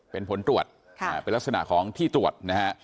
เป็นผลตรวจเป็นลักษณะของที่ตรวจนะฮะ